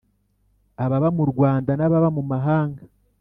ababa mu Rwanda n ababa mu mahanga